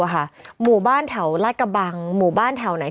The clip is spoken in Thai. อะค่ะหมู่บ้านแถวละกระบั้งหมู่บ้านแถวไหน